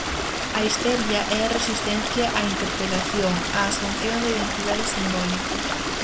A histeria é a resistencia á interpelación, á asunción da identidade simbólica.